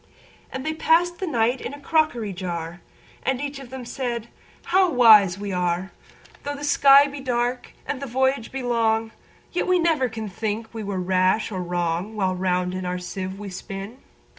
And they pass'd the night in a crockery jar; And each of them said, "How wise we are! Though the sky be dark, and the voyage be long, Yet we never can think we were rash or wrong, While round in our sieve we spin."